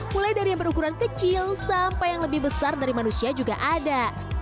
mulai dari yang berukuran kecil sampai yang lebih besar dari manusia juga ada